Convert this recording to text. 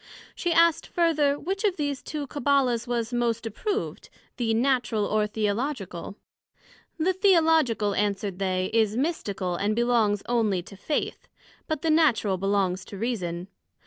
she asked further, which of these two Cabbala's was most approved, the Natural, or Theological? The Theological, answered they, is mystical, and belongs onely to Faith; but the Natural belongs to Reason.